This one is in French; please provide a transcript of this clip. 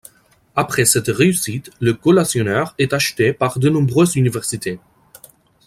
Après cette réussite, le collationneur est acheté par de nombreuses universités.